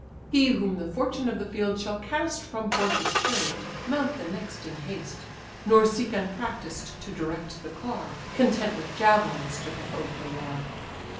He whom the fortune of the field shall cast From forth his chariot, mount the next in haste; Nor seek unpractised to direct the car, Content with javelins to provoke the war.